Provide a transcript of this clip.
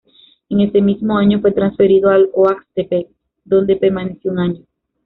En ese mismo año fue transferido al Oaxtepec, donde permaneció un año.